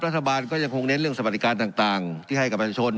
รัฐบาลก็ยังคงเน้นเรื่องสวัสดิการต่างที่ให้กับประชาชน